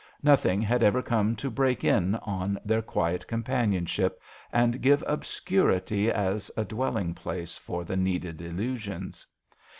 Nothing had ever come to break in on their quiet companionship and give obscurity as a dweliing place for the needed illusions.